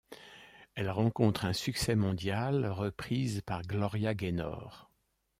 Elle rencontre un succès mondial reprise par Gloria Gaynor.